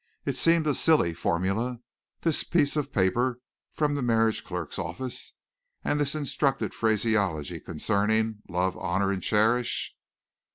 It seemed a silly formula this piece of paper from the marriage clerk's office and this instructed phraseology concerning "love, honor and cherish."